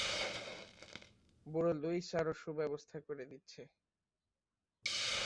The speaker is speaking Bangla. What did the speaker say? বুড়ো লুইস আরও সুব্যবস্থা করে দিচ্ছে।